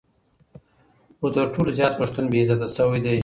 خو تر ټولو زیات پښتون بې عزته شوی دی.